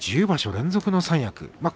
１０場所連続、三役。